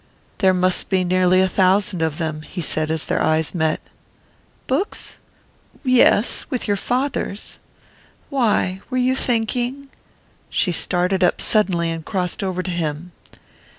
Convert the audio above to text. "There must be nearly a thousand of them," he said as their eyes met. "Books? Yes with your father's. Why were you thinking...?" She started up suddenly and crossed over to him.